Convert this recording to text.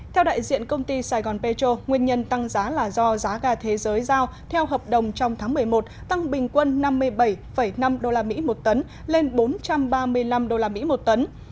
theo đại diện công ty sài gòn petro nguyên nhân tăng giá là do giá ga thế giới giao theo hợp đồng trong tháng một mươi một tăng bình quân năm mươi bảy năm usd một tấn lên bốn trăm ba mươi năm usd một tấn